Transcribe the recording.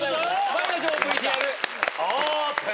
まいりましょうＶＴＲオープン！